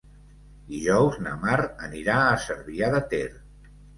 Dijous na Mar anirà a Cervià de Ter.